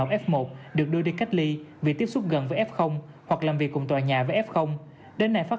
f một được đưa đi cách ly vì tiếp xúc gần với f hoặc làm việc cùng tòa nhà với f đến nay phát